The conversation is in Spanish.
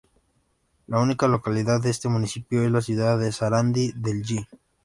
La única localidad de este municipio es la ciudad de Sarandí del Yí.